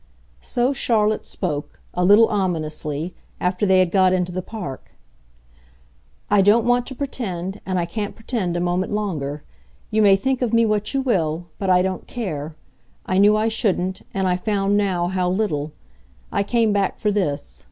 So Charlotte spoke, a little ominously, after they had got into the Park. "I don't want to pretend, and I can't pretend a moment longer. You may think of me what you will, but I don't care. I knew I shouldn't and I find now how little. I came back for this.